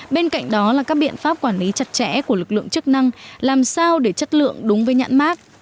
bên cạnh đó là các biện pháp quản lý chặt chẽ của lực lượng chức năng làm sao để chất lượng đúng với nhãn mát